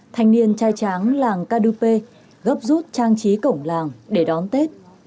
thanh niên trai tráng làng kup gấp rút trang trí cổng làng để đón tết